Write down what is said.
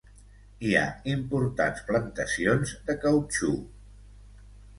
Hi ha importants plantacions de cautxú.